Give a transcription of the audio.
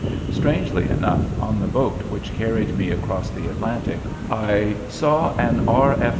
Strangely enough, on the boat which carried me across the Atlantic I saw an R.